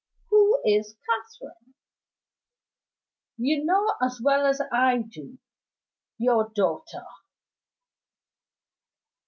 "Who is Catherine?" "You know as well as I do your daughter."